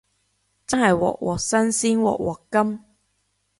真係鑊鑊新鮮鑊鑊甘